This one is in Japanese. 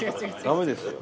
ダメですよ。